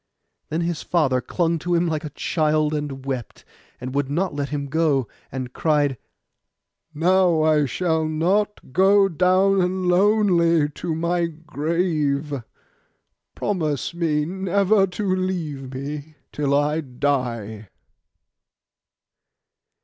Then his father clung to him like a child, and wept, and would not let him go; and cried, 'Now I shall not go down lonely to my grave. Promise me never to leave me till I die.